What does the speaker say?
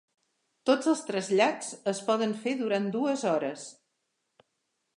Tots els trasllats es poden fer durant dues hores.